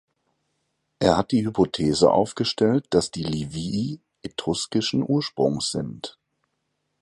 Er hat die Hypothese aufgestellt, dass die Livii etruskischen Ursprungs sind.